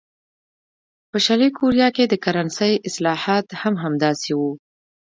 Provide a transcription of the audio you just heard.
په شلي کوریا کې د کرنسۍ اصلاحات هم همداسې وو.